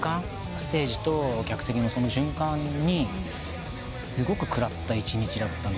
ステージと客席のその循環にすごく食らった一日だったので。